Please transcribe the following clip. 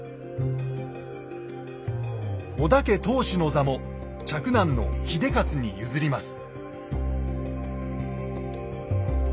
織田家当主の座も嫡男の秀雄に譲ります。